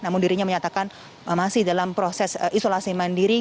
namun dirinya menyatakan masih dalam proses isolasi mandiri